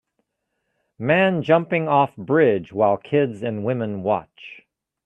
man jumping off bridge while kids and women watch